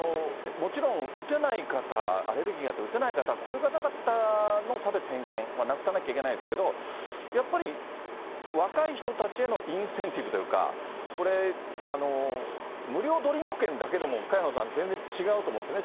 もちろん、打てない方、アレルギーがあって打てない方は、こういう方々の差別、偏見はなくさなきゃいけないですけど、やっぱり若い人たちへのインセンティブというか、これ、無料ドリンク券だけでも、萱野さん、全然違うと思うんですよね。